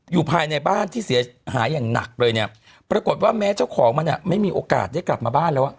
อยู่ภายในบ้านที่เสียหายอย่างหนักเลยเนี่ยปรากฏว่าแม้เจ้าของมันเนี่ยไม่มีโอกาสได้กลับมาบ้านแล้วอ่ะ